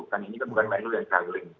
karena ini bukan melu yang saling